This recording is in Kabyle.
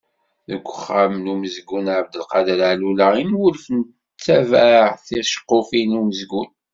Deg Uxxam n umezgun Ɛebdelkader Allula i nwulef nettabaɛ ticeqqufin n umezgun.